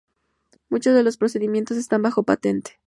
Muchos de los procedimientos están bajo patente.